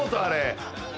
あれ！